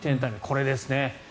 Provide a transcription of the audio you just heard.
これですね。